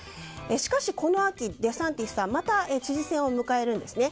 しかし、この秋デサンティスさんまた知事選を迎えるんですね。